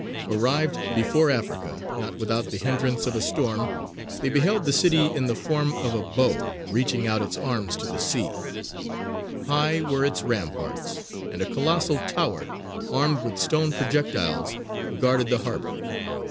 Arrived before Africa, not without the hindrance of a storm, they beheld the city in the form of a bow, reaching out its arms to the sea; high were its ramparts; and a colossal tower, armed with stone projectiles, guarded the harbour.